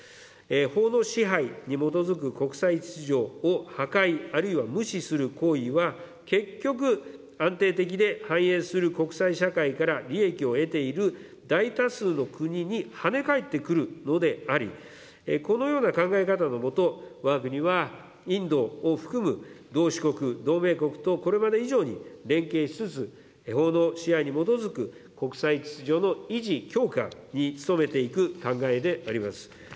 法の支配に基づく国際秩序を破壊、あるいは無視する行為は、結局、安定的で繁栄する国際社会から利益を得ている大多数の国に跳ね返ってくるのであり、このような考え方の下、わが国はインドを含む同種国、同盟国とこれまで以上に連携しつつ、法の支配に基づく国際秩序の維持、強化に努めていく考えであります。